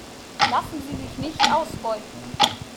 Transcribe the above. Lassen Sie sich nicht ausbeuten!